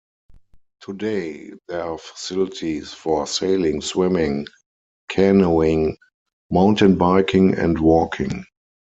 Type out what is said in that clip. Today, there are facilities for sailing, swimming, canoeing, mountain biking and walking.